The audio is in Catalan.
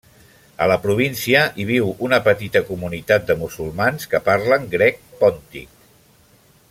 A la província, hi viu una petita comunitat de musulmans que parlen grec pòntic.